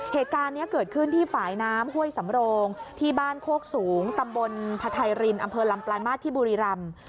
เหตุการณ์นี้เกิดขึ้นที่ฝ่ายน้ำห้วยสำโรงที่บ้านโคกสูงตำบลพทายรินอำเภอลำปลายมาสที่บุรีรำ